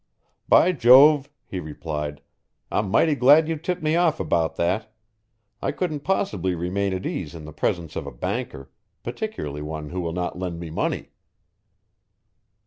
"By Jove," he replied, "I'm mighty glad you tipped me off about that. I couldn't possibly remain at ease in the presence of a banker particularly one who will not lend me money."